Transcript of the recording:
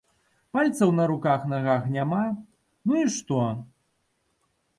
Пальцаў на руках-нагах няма, ну і што?